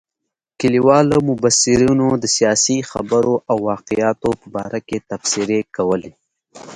کلیوالو مبصرینو د سیاسي خبرو او واقعاتو په باره کې تبصرې کولې.